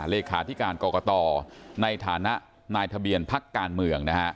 เลขาธิการกรกตในฐานะนายทะเบียนพักการเมืองนะฮะ